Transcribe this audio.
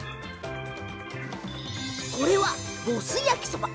これは、ボス焼きそば。